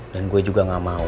dan gue juga gak terlanjur